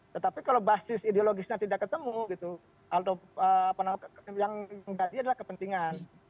tetapi kalau basis ideologisnya tidak ketemu yang menjadi adalah kepentingan